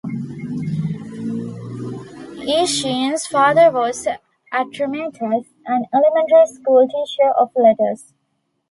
Aeschines' father was Atrometus, an elementary school teacher of letters.